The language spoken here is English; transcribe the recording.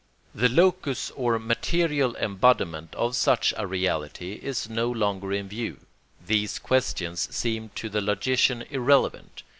The locus or material embodiment of such a reality is no longer in view; these questions seem to the logician irrelevant.